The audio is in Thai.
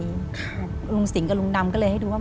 ลุงสิงห์กับลุงดำก็เลยให้ดูว่า